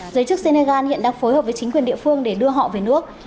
giới chức senegal hiện đang phối hợp với chính quyền địa phương để đưa họ về nước